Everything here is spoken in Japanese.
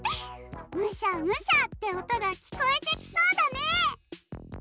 ムシャムシャっておとがきこえてきそうだね。